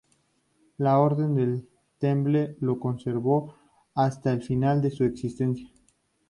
La Orden del Temple lo conservó hasta el fin de su existencia.